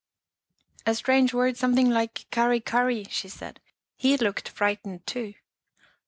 "" A strange word something like curry curry," she said. " He looked frightened too."